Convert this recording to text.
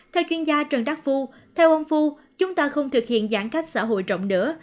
theo chuyên gia trần đắc phu theo ông phu chúng ta không thực hiện giãn cách xã hội rộng nữa